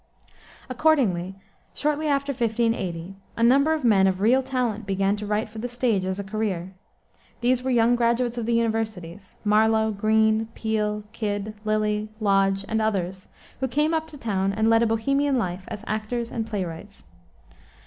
Accordingly, shortly after 1580, a number of men of real talent began to write for the stage as a career. These were young graduates of the universities, Marlowe, Greene, Peele, Kyd, Lyly, Lodge, and others, who came up to town and led a Bohemian life as actors and playwrights.